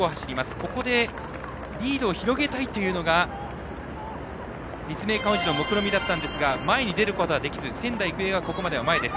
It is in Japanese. ここでリードを広げたいというのが立命館宇治の目論見だったんですが前に出ることはできず仙台育英がここまでは前です。